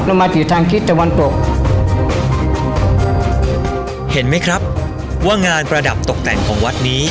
เรามาถึงทางทิศตะวันตกเห็นไหมครับว่างานประดับตกแต่งของวัดนี้